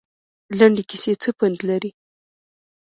لنډې کیسې څه پند لري؟